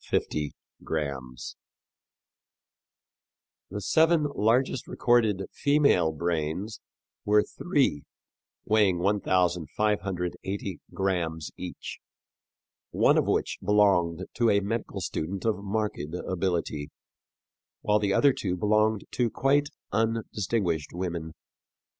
The seven largest recorded female brains were three weighing 1580 grams each, one of which belonged to a medical student of marked ability, while the other two belonged to quite undistinguished women.